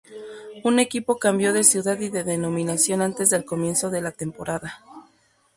Un equipo cambió de ciudad y de denominación antes del comienzo de la temporada.